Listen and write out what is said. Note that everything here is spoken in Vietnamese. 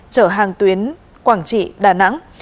chở hàng tuyến quảng trị đà nẵng